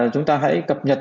chúng ta hãy cập nhật